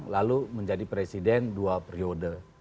lalu menjadi presiden dua periode